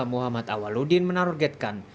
muhammad awaludin menarurgetkan